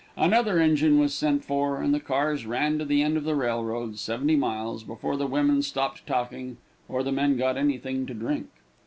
Another engine was sent for, and the cars ran to the end of the railroad, seventy miles, before the women stopped talking, or the men got anything to drink.